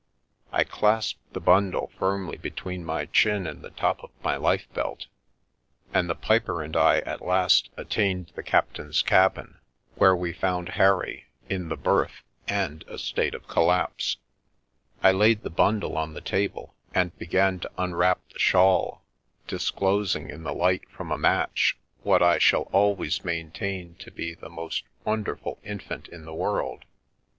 I clasped the bundle firmly between my chin and the top of my lifebelt, and the piper and I at last attained the captain's cabin, where we found Harry in the berth and a state of collapse. I laid the bundle on the table and began to unwrap the The Milky Way shawl, disclosing, in the light from a match, what ] shall always maintain to be the most wonderful infan in the world.